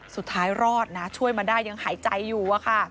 สุดท้ายรอดนะช่วยมาได้ยังหายใจอยู่อะค่ะ